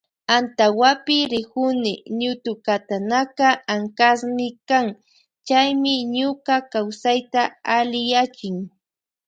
Antawapi rikuni ñutukatanaka ankasmi kan chaymi ñuka kawsayta alliyachin.